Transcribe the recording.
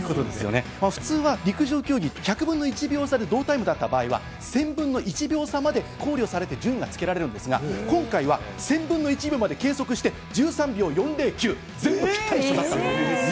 普通は陸上競技１００分の１秒差で同タイムだった場合は１０００分の１秒差まで考慮されて順位がつけられるんですが、今回は１０００分の１秒まで計測して１３秒４０９、全部ぴったり一緒だったんです。